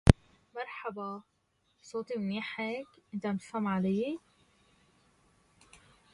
Attempts to track down such evaders were called "slacker raids".